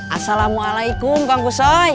assalamualaikum kang kusoy